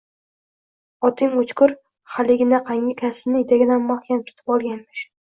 Oting o`chgur haliginaqangi kasbni etagidan mahkam tutib olganmish